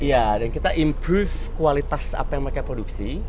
iya dan kita improve kualitas apa yang mereka produksi